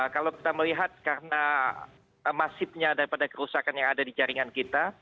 kalau kita melihat karena masifnya daripada kerusakan yang ada di jaringan kita